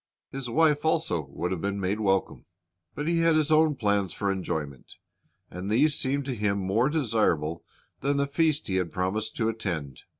His wife also would have been made welcome. But he had his own plans for enjoyment, and these seemed to him more desirable than the feast he had promised to attend.